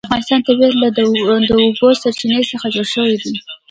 د افغانستان طبیعت له د اوبو سرچینې څخه جوړ شوی دی.